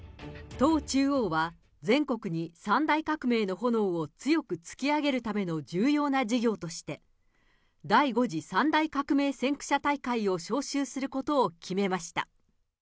党中央は全国に三大革命の炎を強く突き上げるための重要な事業として、第５次三大革命先駆者大会を招集することを決めました。